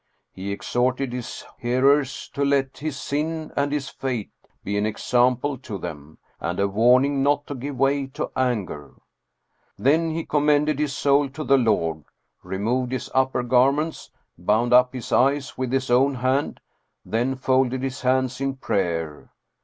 He exhorted his hearers to let his sin and his fate be an example to them, and a warning not to give way to anger. Then he commended his soul to the Lord, removed his upper garments, bound up his eyes with his own hand, then folded his hands in prayer.